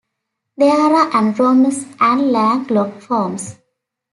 There are anadromous and landlocked forms.